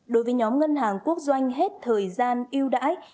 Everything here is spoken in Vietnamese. đối với nhóm ngân hàng quốc doanh hết thời gian ưu đãi